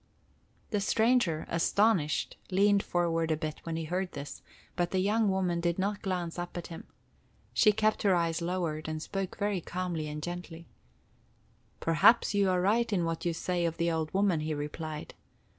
The stranger, astonished, leaned forward a bit when he heard this; but the young woman did not glance up at him. She kept her eyes lowered, and spoke very calmly and gently. "Perhaps you are right in what you say of the old woman," he replied.